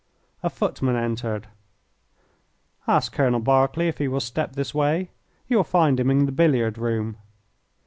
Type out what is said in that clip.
A footman entered. "Ask Colonel Berkeley if he will step this way. You will find him in the billiard room."